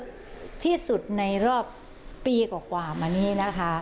เป็นการที่สุดในรอบปีกว่ากว่ามานี้นะคะ